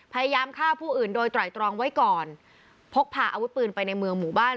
พยายามฆ่าผู้อื่นโดยไตรตรองไว้ก่อนพกพาอาวุธปืนไปในเมืองหมู่บ้าน